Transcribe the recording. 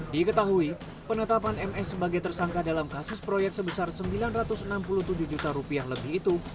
diketahui penetapan ms sebagai tersangka dalam kasus proyek sebesar rp sembilan ratus enam puluh tujuh juta rupiah lebih itu